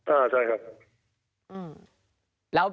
อ่าใช่ครับ